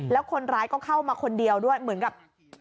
แล้วคนร้ายก็เข้ามาคนเดียวด้วยเหมือนกับ